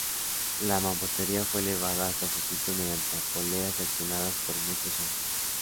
La mampostería fue elevada hasta su sitio mediante poleas accionadas por muchos hombres.